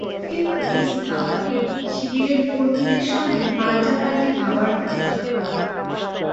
খবর পেয়ে পুলিশ ধাওয়া দিলে শিবিরের কর্মীদের সঙ্গে পাল্টাপাল্টি ধাওয়ার ঘটনা ঘটে।